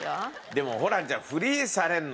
でもホランちゃん。